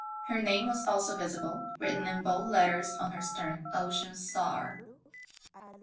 Her name was also visible, written in bold letters on her stern. Ocean Star.